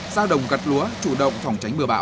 ra đồng gặt lúa chủ động phòng tránh mưa bão